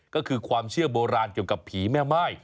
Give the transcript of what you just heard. ก็คือความเชื่อโบราณเกี่ยวกับผีแม่ม่าย